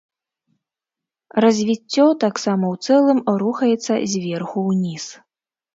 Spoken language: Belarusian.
Развіццё таксама ў цэлым рухаецца зверху ўніз.